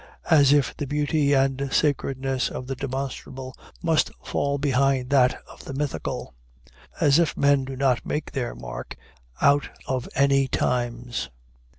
As if the beauty and sacredness of the demonstrable must fall behind that of the mythical! As if men do not make their mark out of any times!